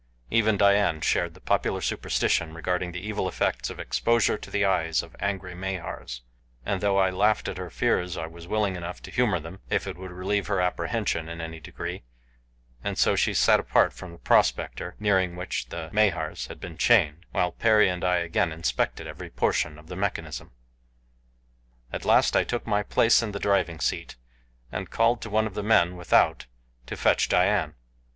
Even Dian shared the popular superstition regarding the evil effects of exposure to the eyes of angry Mahars, and though I laughed at her fears I was willing enough to humor them if it would relieve her apprehension in any degree, and so she sat apart from the prospector, near which the Mahars had been chained, while Perry and I again inspected every portion of the mechanism. At last I took my place in the driving seat, and called to one of the men without to fetch Dian.